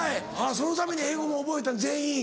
そのために英語も覚えた全員？